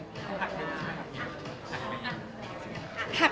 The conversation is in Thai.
หักไปไหนหัก